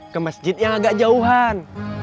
ke masjid yang agak jauhan